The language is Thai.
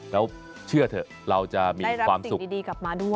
แล้วเชื่อเถอะเราจะมีความสุขดีกลับมาด้วย